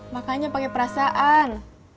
makanya pake perasaan